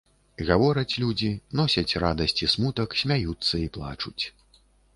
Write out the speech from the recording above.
Гавораць людзі, носяць радасць і смутак, смяюцца і плачуць.